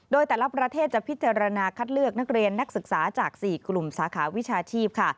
โดยแต่ละประเทศจะพิจารณาคัดเลือกนักเรียนนักศึกษาจาก๔กลุ่มสาขาวิชาชีพค่ะ